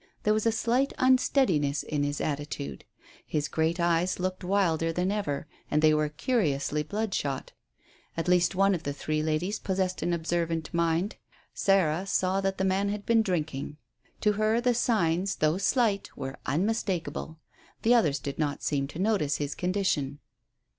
There was a slight unsteadiness in his attitude. His great eyes looked wilder than ever, and they were curiously bloodshot. At least one of the three ladies possessed an observant mind. Sarah saw that the man had been drinking. To her the signs, though slight, were unmistakable. The others did not seem to notice his condition.